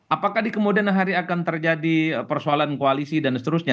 apakah di kemudian hari akan terjadi persoalan koalisi dan seterusnya